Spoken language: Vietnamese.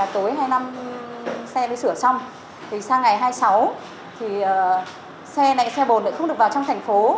tối hai mươi năm xe mới sửa xong sang ngày hai mươi sáu xe này xe bồn lại không được vào trong thành phố